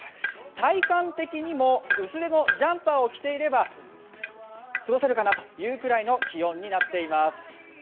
体感的にも薄手のジャンパーを着ていれば過ごせるかなという気温になっています。